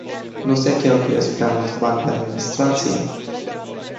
Nu se cheltuiesc prea mulți bani pe administrație?